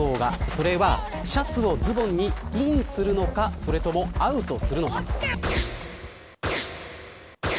それは、シャツをズボンにインするのかそれともアウトするのか。